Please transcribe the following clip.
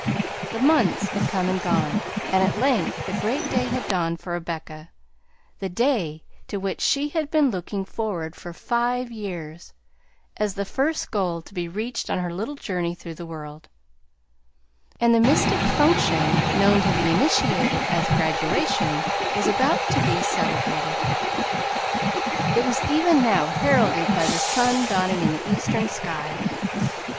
The months had come and gone, and at length the great day had dawned for Rebecca, the day to which she had been looking forward for five years, as the first goal to be reached on her little journey through the world. School days were ended, and the mystic function known to the initiated as "graduation" was about to be celebrated; it was even now heralded by the sun dawning in the eastern sky.